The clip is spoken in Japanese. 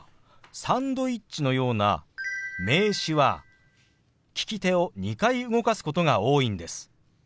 「サンドイッチ」のような名詞は利き手を２回動かすことが多いんです。